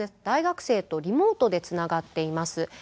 大学生とリモートでつながっています。